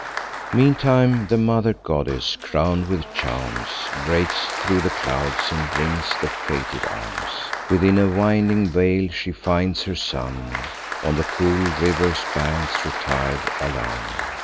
Meantime the mother goddess, crown'd with charms, Breaks thro' the clouds, and brings the fated arms. Within a winding vale she finds her son, On the cool river's banks, retir'd alone.